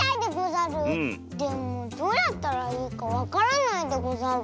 でもどうやったらいいかわからないでござる。